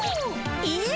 えっ。